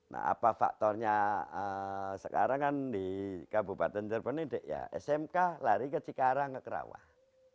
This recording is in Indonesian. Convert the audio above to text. nah apa faktornya sekarang kan di kabupaten cirebon ini ya smk lari ke cikarang ke kerawang